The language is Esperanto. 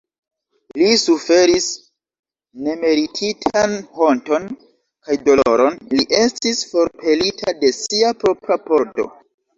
Li suferis nemerititan honton kaj doloron, li estis forpelita de sia propra pordo.